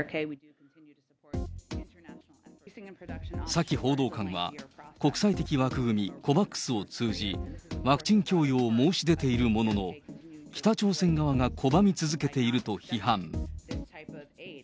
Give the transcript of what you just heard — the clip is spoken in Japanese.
サキ報道官は、国際的枠組み、ＣＯＶＡＸを通じ、ワクチン供与を申し出ているものの、北朝鮮側が拒み続けていると批判。